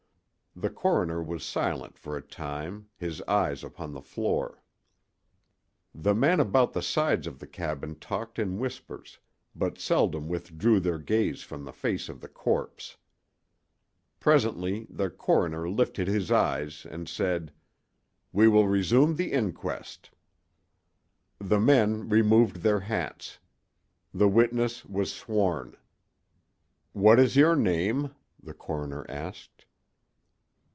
The coroner was silent for a time, his eyes upon the floor. The men about the sides of the cabin talked in whispers, but seldom withdrew their gaze from the face of the corpse. Presently the coroner lifted his eyes and said: "We will resume the inquest." The men removed their hats. The witness was sworn. "What is your name?" the coroner asked.